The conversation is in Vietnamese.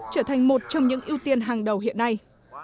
trở thành một trong những ưu tiên hàng đầu hiện nay